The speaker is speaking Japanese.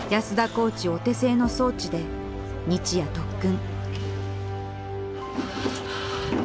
コーチお手製の装置で日夜特訓。